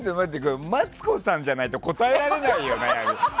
マツコさんじゃないと答えられないよね。